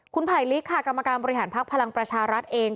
คุณไผลลิกค่ะกรรมการบริหารภักดิ์พลังประชารัฐเอง